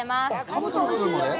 かぶとの部分まで？